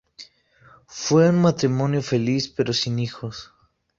Fue un matrimonio feliz, pero sin hijos.